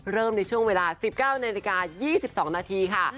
ในช่วงเวลา๑๙นาฬิกา๒๒นาทีค่ะ